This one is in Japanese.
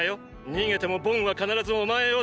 逃げてもボンは必ずお前を捕まえる。